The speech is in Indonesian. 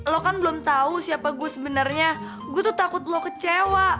lo kan belum tahu siapa gue sebenarnya gue tuh takut lo kecewa